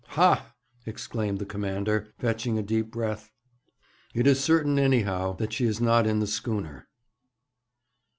'Ha!' exclaimed the commander, fetching a deep breath. 'It is certain, anyhow, that she is not in the schooner.'